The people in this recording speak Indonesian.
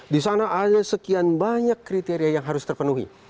di sana ada sekian banyak kriteria yang harus terpenuhi